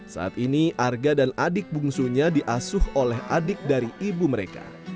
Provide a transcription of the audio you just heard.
saat ini arga dan adik bungsunya diasuh oleh adik dari ibu mereka